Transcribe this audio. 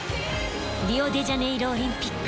リオデジャネイロオリンピック。